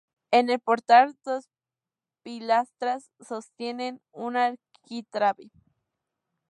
En el portal dos pilastras sostienen un arquitrabe.